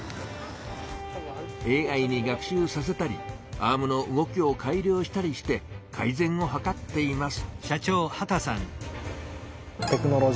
ＡＩに学習させたりアームの動きを改良したりして改ぜんをはかっています。